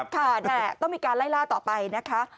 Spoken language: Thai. ค่ะแต่ต้องมีการไล่ล่าต่อไปนะคะ